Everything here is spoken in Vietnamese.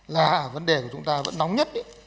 là vấn đề của chúng ta vẫn nóng nhất